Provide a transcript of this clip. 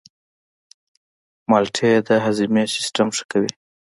مالټې د هاضمې سیستم ښه کوي.